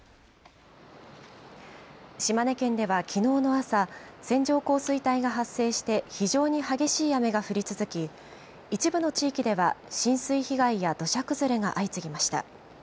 島根県ではきのうの朝、線状降水帯が発生して非常に激しい雨が降り続き、一部の地域では浸水被害や土砂崩れが相次ぎました。